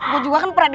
gue juga kan pernah